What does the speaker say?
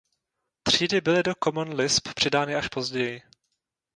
Třídy byly do Common Lisp přidány až později.